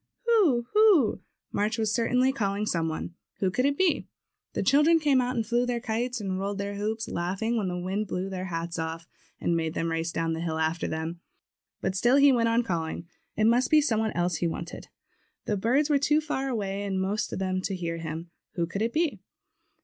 ^^Ho o o! H o o o! !" March was cer tainly calling some one. Who could it be? The children came out; flew their kites, and rolled their hoops, laughing when the wind blew their hats off, and made them race down the hill after them. But still he went on calling. It must be some one else he wanted. The birds were too far away, most of them, to hear him. Who could it be?